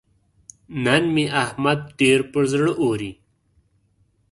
نن مې احمد ډېر پر زړه اوري.